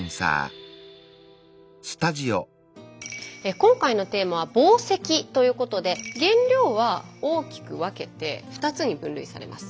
今回のテーマは「紡績」ということで原料は大きく分けて２つに分類されます。